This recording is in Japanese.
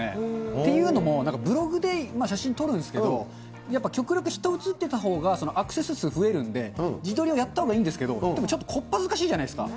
っていうのも、なんかブログで写真撮るんですけど、やっぱ極力、人が写ってたほうがアクセス数増えるんで、自撮りをやったほうがいいんですけど、でも、ちょっとこっぱずかしいじゃないですか。